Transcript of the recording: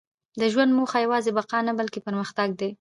• د ژوند موخه یوازې بقا نه، بلکې پرمختګ دی.